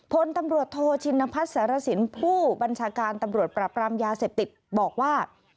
ผลตำรวจโทชิณพัตย์ทรสิเนพ่วบรรชากรตำรวจประปรามยาเสพติดบอกว่า